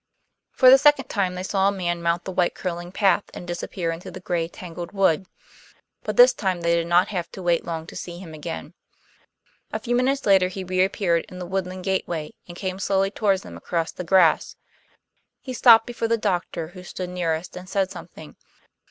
For the second time they saw a man mount the white curling path and disappear into the gray tangled wood, but this time they did not have to wait long to see him again. A few minutes later he reappeared in the woodland gateway, and came slowly toward them across the grass. He stopped before the doctor, who stood nearest, and said something.